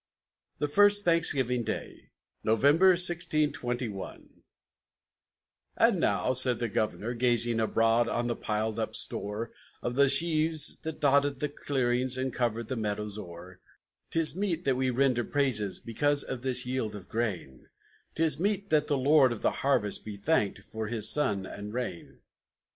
THE FIRST THANKSGIVING DAY [November, 1621] "And now," said the Governor, gazing abroad on the piled up store Of the sheaves that dotted the clearings and covered the meadows o'er, "'Tis meet that we render praises because of this yield of grain; 'Tis meet that the Lord of the harvest be thanked for His sun and rain.